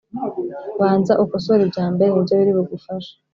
banza ukosore ibyambere nibyo biri bugufashe